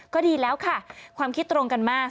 ก็ดีแล้วค่ะความคิดตรงกันมาก